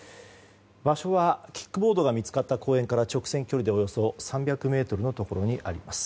場所はキックボードが見つかった公園から直線距離でおよそ３００ｍのところにあります。